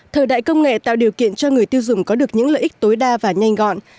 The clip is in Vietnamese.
thời đại công nghệ tạo điều kiện cho người tiêu dùng có được những lợi ích tối đa và nhanh gọn